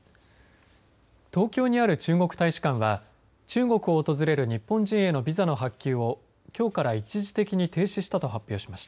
東京にある中国大使館は中国を訪れる日本人へのビザの発給をきょうから一時的に停止したと発表しました。